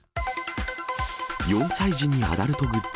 ４歳児にアダルトグッズ。